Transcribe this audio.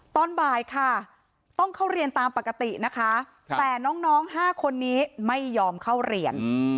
ตอนบ่ายค่ะต้องเข้าเรียนตามปกตินะคะแต่น้อง๕คนนี้ไม่ยอมเข้าเรียน